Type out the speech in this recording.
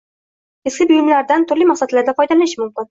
Eski buyumlardan turli maqsadlarda foydalanish mumkin